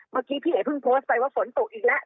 เมื่อกี้พี่เอ๋เพิ่งโพสต์ไปว่าฝนตกอีกแล้ว